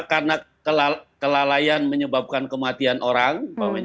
karena kelalaian menyebabkan kematian orang